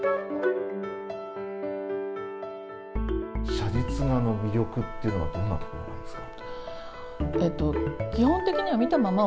写実画の魅力ってどんなところなんですか？